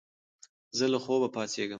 زه له خوبه پاڅېږم.